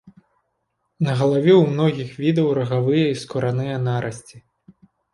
На галаве ў многіх відаў рагавыя і скураныя нарасці.